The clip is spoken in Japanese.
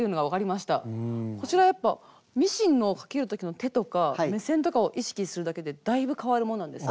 こちらやっぱミシンのかけるときの手とか目線とかを意識するだけでだいぶかわるものなんですね。